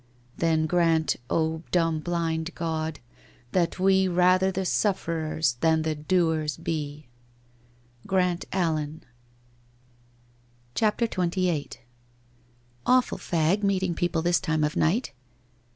' Then grant, dumb blind god, that we Rather the sufferers than the doers be! '— Grant Allen. CHAPTER XXVIII ' Awful fag meeting people this time of night